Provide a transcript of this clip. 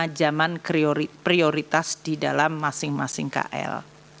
karena zaman prioritas di dalam masing masing kl